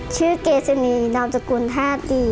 ชื่อเกษณีย์นามจากกลุ่มท่าดี